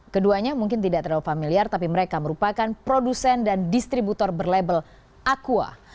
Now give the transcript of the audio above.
keduanya mungkin tidak terlalu familiar tapi mereka merupakan produsen dan distributor berlabel aqua